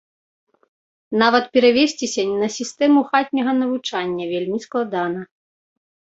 Нават перавесціся на сістэму хатняга навучання вельмі складана.